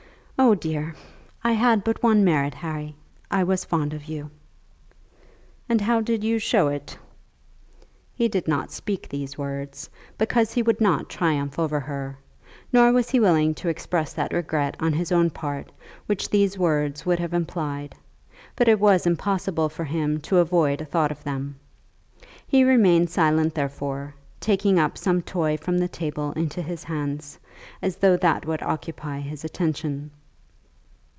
Oh, dear! I had but one merit, Harry; I was fond of you." "And how did you show it?" He did not speak these words, because he would not triumph over her, nor was he willing to express that regret on his own part which these words would have implied; but it was impossible for him to avoid a thought of them. He remained silent, therefore, taking up some toy from the table into his hands, as though that would occupy his attention.